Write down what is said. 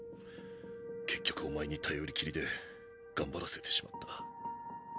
結局おまえに頼りきりで頑張らせてしまった。